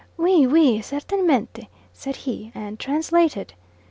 "Oui, oui, certainement," said he, and translated.